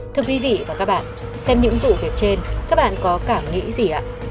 thưa quý vị và các bạn xem những vụ việc trên các bạn có cảm nghĩ gì ạ